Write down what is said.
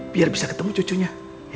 biar bisa ketemu cucunya